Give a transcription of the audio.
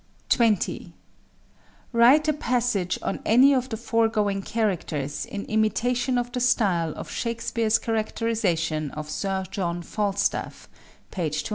20. Write a passage on any of the foregoing characters in imitation of the style of Shakespeare's characterization of Sir John Falstaff, page 227.